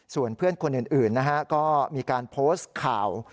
ส่วนเพื่อนคนอื่นนะฮะก็มีการโพสต์ข่าว